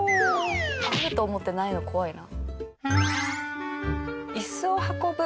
あると思ってないの怖いな。